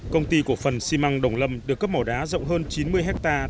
công ty cổ phần xi măng đồng lâm được cấp mỏ đá rộng hơn chín mươi hectare